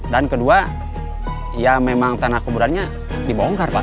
dan kedua ya memang tanah kuburannya dibongkar pak